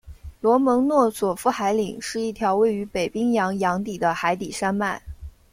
罗蒙诺索夫海岭是一条位于北冰洋洋底的海底山脉。